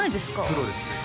プロですね